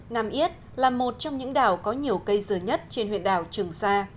nam yết là một trong những đảo có nhiều cây dừa nhất trên huyện đảo trường sa